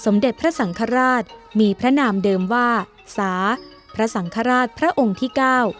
เด็จพระสังฆราชมีพระนามเดิมว่าสาพระสังฆราชพระองค์ที่เก้า